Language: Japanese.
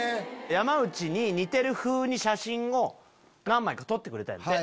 山内に似てるふうに写真を何枚か撮ってくれたんやって。